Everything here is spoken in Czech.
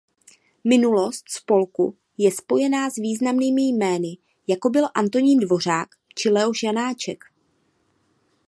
Minulost spolku je spojena s významnými jmény jako byl Antonín Dvořák či Leoš Janáček.